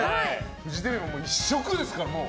フジテレビはもう一色ですから。